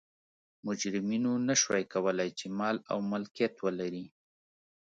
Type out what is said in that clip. مجرمینو نه شوای کولای چې مال او ملکیت ولري.